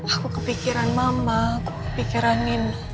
aku kepikiran mama aku kepikiran nino